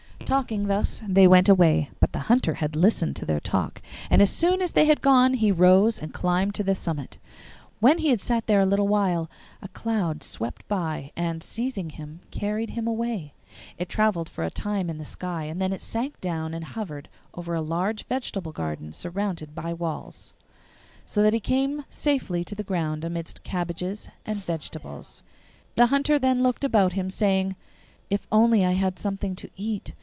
Talking thus they went away. But the Hunter had listened to their talk, and as soon as they had gone he rose and climbed to the summit. When he had sat there a little while a cloud swept by, and, seizing him, carried him away. It travelled for a time in the sky, and then it sank down and hovered over a large vegetable garden surrounded by walls, so that he came safely to the ground amidst cabbages and vegetables. The Hunter then looked about him, saying, 'If only I had something to eat!